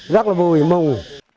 rất là vui mùng